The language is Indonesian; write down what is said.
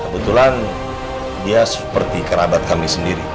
kebetulan dia seperti kerabat kami sendiri